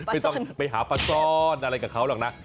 ไม่ต้องไปหาปลาซ่อนอะไรกับเขาหรอกนะ